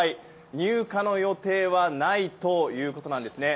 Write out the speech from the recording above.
入荷の予定はないということなんですね。